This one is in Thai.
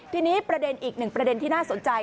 ทีนี้ประเด็นอีกหนึ่งประเด็นที่น่าสนใจ